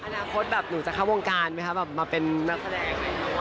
อนาคตแบบหนูจะเข้าวงการไหมคะแบบมาเป็นนักแสดง